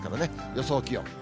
予想気温。